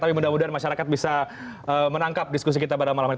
tapi mudah mudahan masyarakat bisa menangkap diskusi kita pada malam ini